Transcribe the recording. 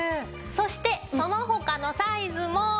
そしてその他のサイズも。